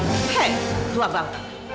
hei tua bang